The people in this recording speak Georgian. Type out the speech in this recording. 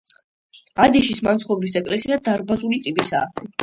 ადიშის მაცხოვრის ეკლესია დარბაზული ტიპისაა.